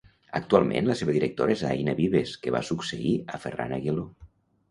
Actualment, la seva directora és Aina Vives que va succeir a Ferran Aguiló.